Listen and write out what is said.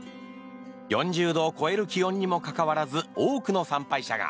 ４０度を超える気温にもかかわらず多くの参拝者が。